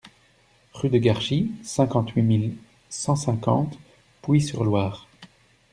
Rue de Garchy, cinquante-huit mille cent cinquante Pouilly-sur-Loire